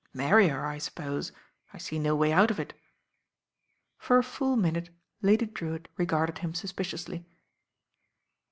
"Marry her, I suppose. I see no way out of it." For a full minute Lady Drewitt regarded him suspiciously.